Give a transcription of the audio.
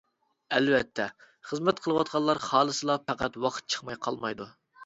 ئەلۋەتتە، خىزمەت قىلىۋاتقانلار خالىسلا پەقەت ۋاقىت چىقماي قالمايدۇ.